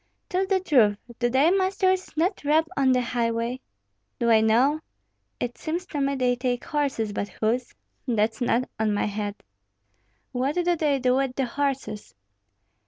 "Tell the truth; do thy masters not rob on the highway?" "Do I know? It seems to me they take horses, but whose, that's not on my head." "What do they do with the horses?"